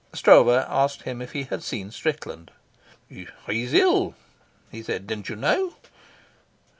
Stroeve asked him if he had seen Strickland. "He's ill," he said. "Didn't you know?"